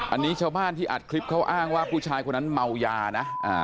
อันนี้ชาวบ้านที่อัดคลิปเขาอ้างว่าผู้ชายคนนั้นเมายานะ